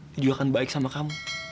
dia juga akan baik sama kamu